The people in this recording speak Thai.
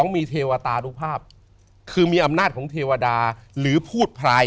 มีเทวตานุภาพคือมีอำนาจของเทวดาหรือพูดพลาย